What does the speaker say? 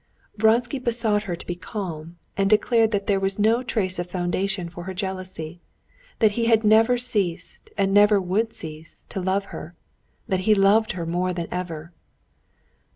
Vronsky besought her to be calm, and declared that there was no trace of foundation for her jealousy; that he had never ceased, and never would cease, to love her; that he loved her more than ever.